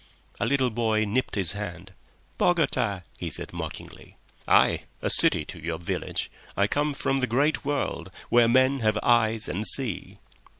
A little boy nipped his hand. "Bogota!" he said mockingly. "Aye! A city to your village. I come from the great world—where men have eyes and see."